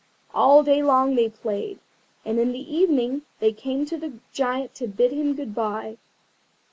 All day long they played, and in the evening they came to the Giant to bid him good bye.